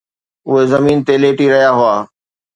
اهي زمين تي ليٽي رهيا هئا.